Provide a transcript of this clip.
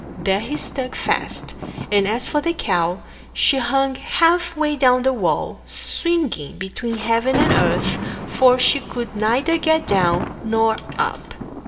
There he stuck fast; and as for the cow, she hung half way down the wall, swinging between heaven and earth, for she could neither get down nor up.